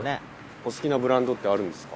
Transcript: お好きなブランドってあるんですか？